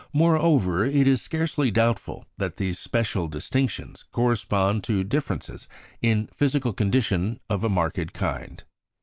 Moreover, it is scarcely doubtful that these spectral distinctions correspond to differences in physical condition of a marked kind.